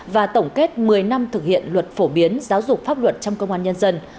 và tổng kết một mươi năm thực hiện luật phổ biến giáo dục pháp luật trong công an nhân dân